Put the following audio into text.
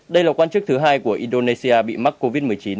đây là quan chức thứ hai của indonesia bị mắc covid một mươi chín